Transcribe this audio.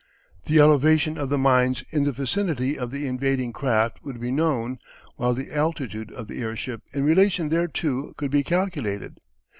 The elevation of the mines in the vicinity of the invading craft would be known, while the altitude of the airship in relation thereto could be calculated.